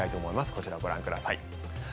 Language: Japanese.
こちらをご覧ください。